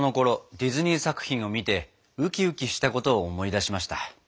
ディズニー作品を見てウキウキしたことを思い出しました。